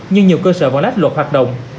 nhưng nhiều cơ sở vòng lách luật hoạt động